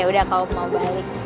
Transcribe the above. yaudah kalo mau balik